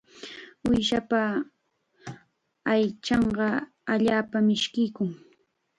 Uushapa aychanqa allaapam mishkiykun.